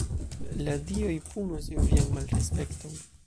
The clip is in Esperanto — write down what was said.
"La dioj punos vian malrespekton."